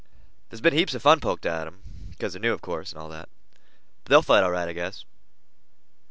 "There's been heaps of fun poked at 'em because they're new, of course, and all that; but they'll fight all right, I guess."